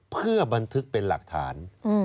เพื่อบันทึกเป็นหลักฐาน